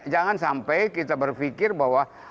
jangan sampai kita berpikir bahwa